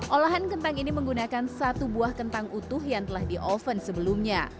olahan kentang ini menggunakan satu buah kentang utuh yang telah di oven sebelumnya